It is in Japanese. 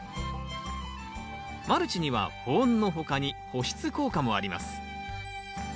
マルチには保温の他に保湿効果もあります。